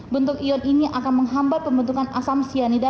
bentuk ion ini akan menghambat pembentukan asam cyanida